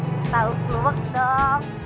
kalo gitu tau seluwek dong